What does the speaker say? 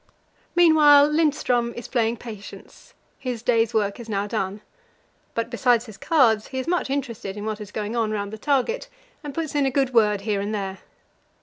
Meanwhile Lindström is playing patience; his day's work is now done. But, besides his cards, he is much interested in what is going on round the target, and puts in a good word here and there.